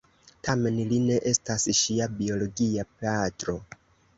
Tamen li ne estas ŝia biologia patro.